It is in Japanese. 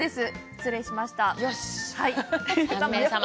失礼しました。